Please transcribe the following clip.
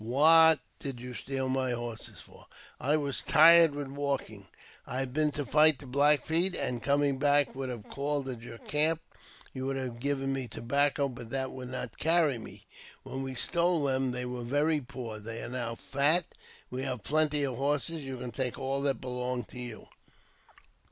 " What did you steal my horses for? "'I was tired with walking. I had been to fight the Black Feet, and, coming back, would have called at your camp ; you would have given me tobacco, but that would not carry me. When we stole them they were very poor ; they are now fat. We have plenty of horses ; you can take all that belong to you."